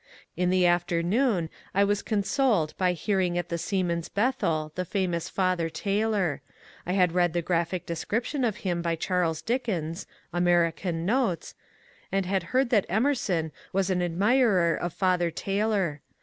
In the afternoon I was consoled by hearing at the Seamen's Bethel the famous Father Taylor. I had read the graphic description of him by Charles Dickens Q^ American Notes"), and had heard that Emerson was an admirer of Father Tay lor.